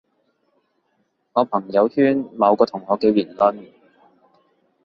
我朋友圈某個同學嘅言論